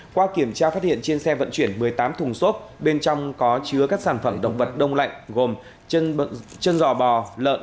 qua kiểm tra phát hiện trên xe vận chuyển một mươi tám thùng xốp bên trong có chứa các sản phẩm động vật đông lạnh gồm chân giò bò lợn